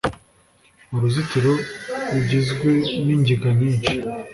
uruzitiro zugizwe ningiga nyishi